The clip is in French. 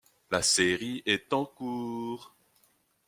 La série est en cours.